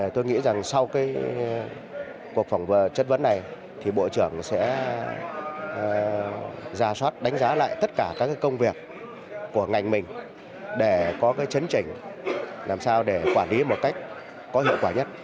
tôi nghĩ rằng sau cuộc phỏng chất vấn này thì bộ trưởng sẽ giả soát đánh giá lại tất cả các công việc của ngành mình để có chấn chỉnh làm sao để quản lý một cách có hiệu quả nhất